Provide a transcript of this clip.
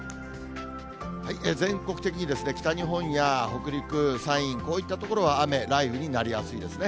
全国的に北日本や北陸、山陰、こういった所は雨、雷雨になりやすいですね。